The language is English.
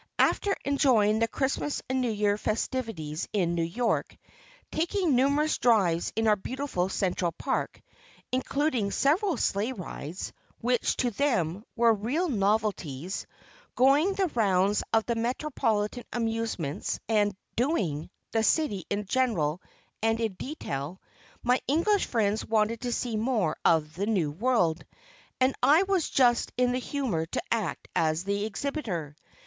After enjoying the Christmas and New Year's festivities in New York; taking numerous drives in our beautiful Central Park, including several sleigh rides, which, to them, were real novelties; going the rounds of the metropolitan amusements; and "doing" the city in general and in detail, my English friends wanted to see more of the "New World," and I was just in the humor to act as the exhibitor.